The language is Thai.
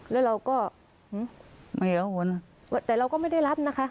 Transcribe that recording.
แล้วเราก็แต่เราก็ไม่ได้รับนะคะ